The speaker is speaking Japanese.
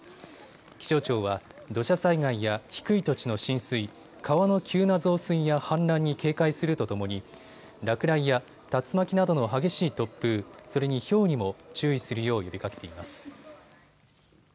気象庁は土砂災害や低い土地の浸水、川の急な増水や氾濫に警戒するとともに落雷や竜巻などの激しい突風、それに、ひょうにも注意するよう呼びかけています。